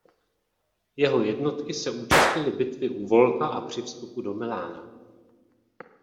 Jeho jednotky se účastnily bitvy u Volta a při vstupu do Milána.